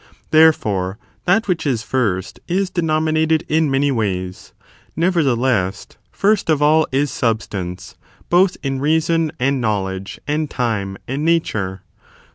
Therefore, that which is first is denominated in ,, many ways; nevertheless, first of all is substance, stands foremost both in reasbn, and knowledge, and time, and JSegorie*^* nature.